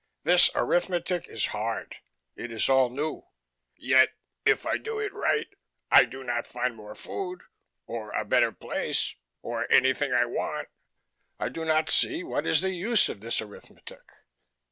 This arithmetic is hard: it is all new. Yet if I do it right I do not find more food or a better place or any thing I want. I do not see what is the use of this arithmetic.